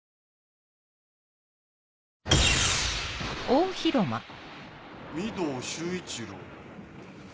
御堂周一郎？